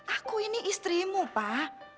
aku ini istrimu pak